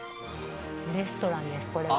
レストランです、これは。